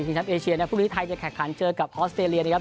จริงครับเอเชียนะครับพรุ่งนี้ไทยจะแขกขันเจอกับออสเตรเลียนะครับ